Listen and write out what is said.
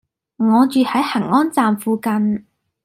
我住喺恆安站附近